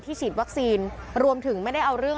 ฉีดวัคซีนรวมถึงไม่ได้เอาเรื่อง